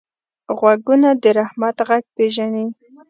غوږونه د رحمت غږ پېژني